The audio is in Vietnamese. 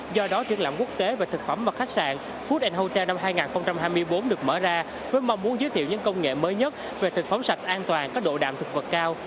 do đó triển lãm quốc tế về thực phẩm và khách sạn food hocha năm hai nghìn hai mươi bốn được mở ra với mong muốn giới thiệu những công nghệ mới nhất về thực phẩm sạch an toàn có độ đạm thực vật cao